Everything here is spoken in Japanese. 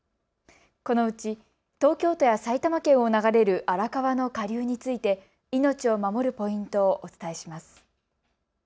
このうち東京都や埼玉県を流れる荒川の下流について命を守るポイントをお伝えします。